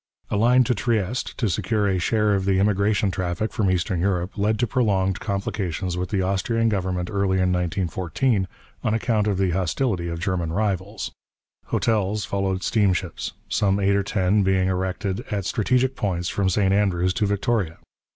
A line to Trieste, to secure a share of the immigration traffic from Eastern Europe, led to prolonged complications with the Austrian government early in 1914, on account of the hostility of German rivals. Hotels followed steamships, some eight or ten being erected at strategic points from St Andrews to Victoria.